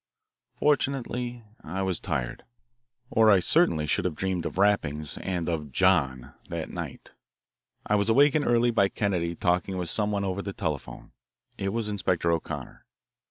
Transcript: Fortunately I was tired, or I certainly should have dreamed of rappings and of "John" that night. I was awakened early by Kennedy talking with someone over the telephone. It was Inspector O'Connor.